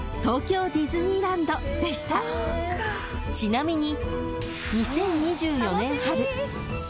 ［ちなみに］